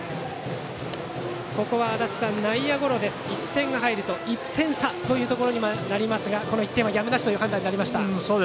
ここは足達さん、内野ゴロで１点が入ると１点差となりますがこの１点はやむなしという判断になりました。